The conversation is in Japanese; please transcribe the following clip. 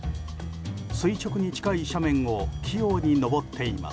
垂直に近い斜面を器用に登っています。